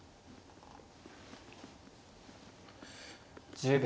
１０秒。